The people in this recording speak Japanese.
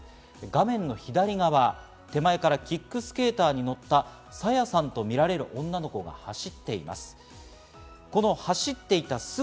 画面左側、手前からキックスケーターに乗った朝芽さんとみられる女の子が走っています。